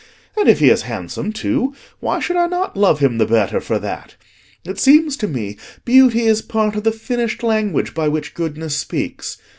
And if he is handsome, too, why should I not love him the better for that? It seems to me beauty is part of the finished language by which goodness speaks.